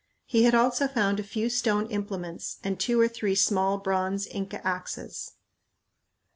He had also found a few stone implements and two or three small bronze Inca axes.